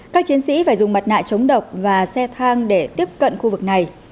các chiến sĩ phải dùng mặt nạ chống độc và xe thang để tiếp cận khu vực này